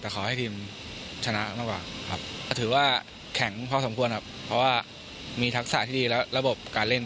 แต่ขอให้ทีมชนะมากกว่าครับถือว่าแข่งพอสมควรครับ